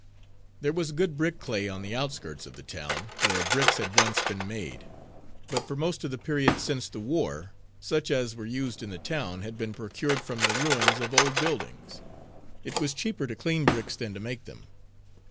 There was good brick clay on the outskirts of the town, where bricks had once been made; but for most of the period since the war such as were used in the town had been procured from the ruins of old buildings it was cheaper to clean bricks than to make them.